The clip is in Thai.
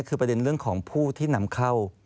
คือประเด็นเรื่องของผู้ที่นำเข้า